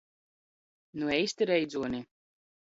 Nu eisti reidzuoni!